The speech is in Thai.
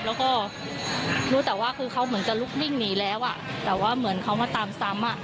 แล้วก็รู้แต่ว่าคือเขาเหมือนจะลุกวิ่งหนีแล้วอ่ะแต่ว่าเหมือนเขามาตามซ้ำอ่ะ